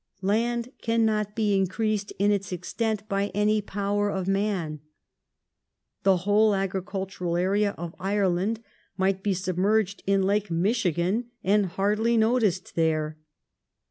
Land cannot be increased in its extent by any power of man. The whole agricultural area of Ireland might be submerged in Lake Michigan and hardly noticed there.